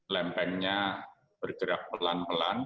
lempengnya bergerak pelan pelan